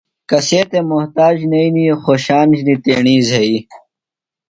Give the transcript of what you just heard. کسے تھےۡ محتاج نئینیۡ، خوشان ہِنیۡ تیݨی زھئیۡ